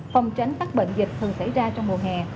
phòng tránh tắc bệnh dịch thường xảy ra trong mùa hè